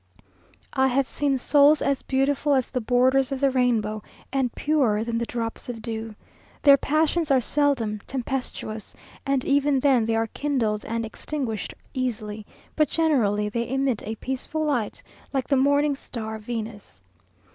I have seen souls as beautiful as the borders of the rainbow, and purer than the drops of dew. Their passions are seldom tempestuous, and even then they are kindled and extinguished easily; but generally they emit a peaceful light, like the morning star, Venus.